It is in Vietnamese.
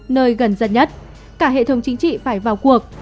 nơi gần dân nhất cả hệ thống chính trị phải vào cuộc